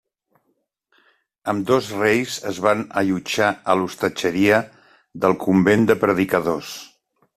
Ambdós reis es van allotjar a l'hostatgeria del convent de Predicadors.